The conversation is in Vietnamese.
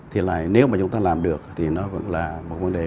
thì là nếu mà chúng ta làm được thì nó vẫn là một vấn đề